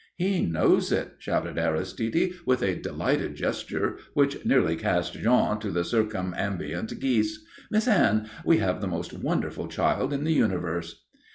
"He knows it," shouted Aristide with a delighted gesture which nearly cast Jean to the circumambient geese. "Miss Anne, we have the most wonderful child in the universe."